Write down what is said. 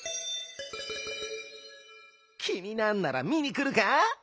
きになんならみにくるか？